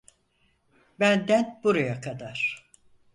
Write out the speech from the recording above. Benden buraya kadar.